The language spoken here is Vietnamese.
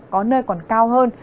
có nơi còn cao hơn